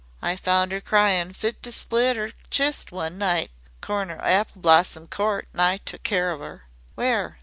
I found 'er cryin' fit to split 'er chist one night corner o' Apple Blossom Court an' I took care of 'er." "Where?"